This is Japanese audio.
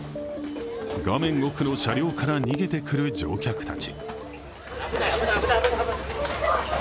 画面奥の車両から逃げてくる乗客たち。